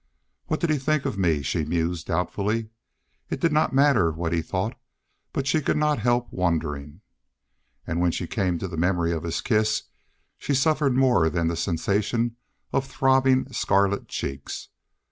"What did he think of me?" she mused, doubtfully. It did not matter what he thought, but she could not help wondering. And when she came to the memory of his kiss she suffered more than the sensation of throbbing scarlet cheeks.